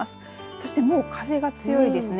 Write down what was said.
そしてもう風が強いですね。